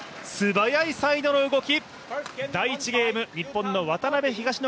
素早いサイドの動き！